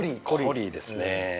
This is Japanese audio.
コリーですね。